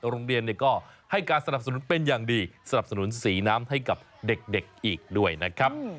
โรงเรียนก็ให้การสนับสนุนเป็นอย่างดีสนับสนุนสีน้ำให้กับเด็กอีกด้วยนะครับ